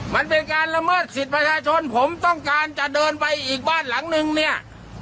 มันเป็นการละเมิดสิทธิ์ประชาชนผมต้องการจะเดินไปอีกบ้านหลังนึงเนี่ย